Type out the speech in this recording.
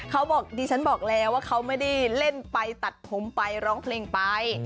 เขาบอกดิฉันบอกแล้วว่าเขาไม่ได้เล่นไปตัดผมไปร้องเพลงไป